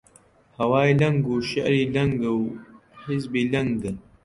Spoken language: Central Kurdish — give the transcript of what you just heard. هەوای لەنگ و شیعری لەنگە و حیزبی لەنگە: